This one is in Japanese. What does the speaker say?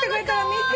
見て。